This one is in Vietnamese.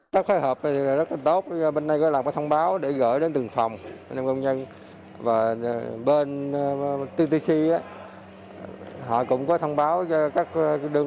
các khối hợp rất là tốt bên đây có làm thông báo để gửi đến từng phòng bên ttc họ cũng có thông báo cho các công nhân